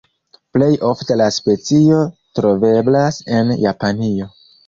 Plej ofte la specio troveblas en Japanio.